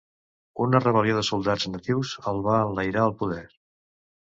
Una rebel·lió de soldats natius el va enlairar al poder.